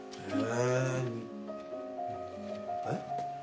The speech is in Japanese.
えっ？